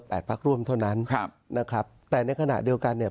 พักร่วมเท่านั้นครับนะครับแต่ในขณะเดียวกันเนี่ย